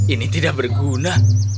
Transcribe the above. ini tidak berguna